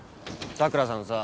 桜さんさ